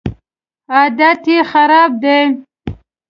عادت دي خراب دی